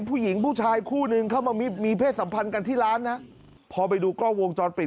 ผู้ชายคู่นึงเข้ามามีเพศสัมพันธ์กันที่ร้านนะพอไปดูกล้องวงจรปิด